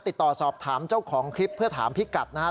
ติดต่อสอบถามเจ้าของคลิปเพื่อถามพิกัดนะฮะ